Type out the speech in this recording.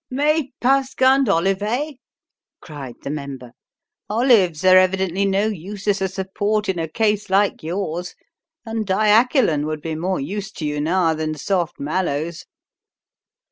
"Me pascant olivae!" cried the Member. "Olives are evidently no use as a support in a case like yours, and diachylon would be more use to you now than soft mallows."